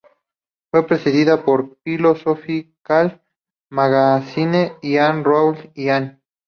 Fue precedida por "Philosophical Magazine and Journal" y "Ann.